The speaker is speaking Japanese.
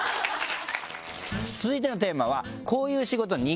続いてのテーマは。